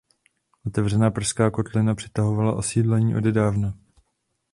Otevřená Pražská kotlina přitahovala osídlení odedávna.